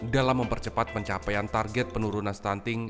dalam mempercepat pencapaian target penurunan stunting